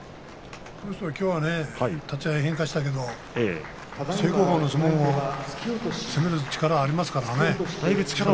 きょうは立ち合い変化したけれど正攻法の相撲にも力がありますからね。